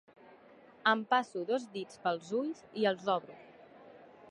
Em passo dos dits pels ulls i els obro.